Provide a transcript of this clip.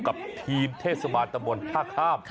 กับทีมเทศบาลตะบนท่าข้าม